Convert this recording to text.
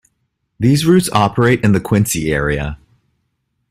These routes operate in the Quincy area.